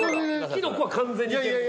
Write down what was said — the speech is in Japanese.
きのこは完全にいける。